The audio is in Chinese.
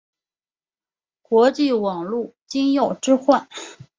网际网路金钥交换。